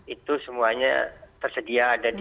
itu semuanya tersedia ada di